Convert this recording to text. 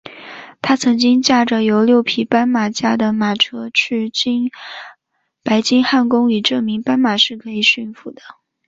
他曾经驾着由六匹斑马驾的马车去白金汉宫以证明斑马是可以驯服的。